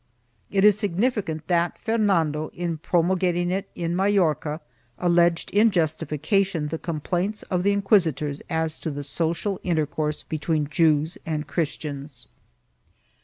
It is significant that Fernando, in pro mulgating it in Majorca, alleged in justification the complaints of the inquisitors as to the social intercourse between Jews and Christians.